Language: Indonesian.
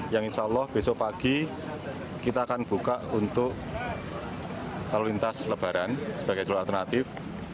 yang insya allah besok pagi kita akan buka untuk lalu lintas lebaran sebagai jalur alternatif